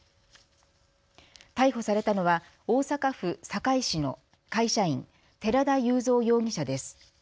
逮捕されたのは大阪府堺市の会社員、寺田ゆう三容疑者です。